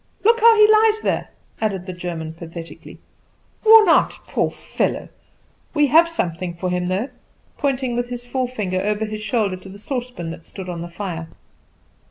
Look how he lies there," added the German pathetically, "worn out poor fellow! We have something for him though," pointing with his forefinger over his shoulder to the saucepan that stood on the fire.